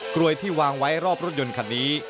รวยที่วางไว้รอบรถยนต์คันนี้